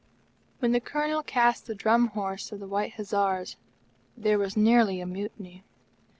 When the Colonel cast the Drum horse of the White Hussars, there was nearly a mutiny.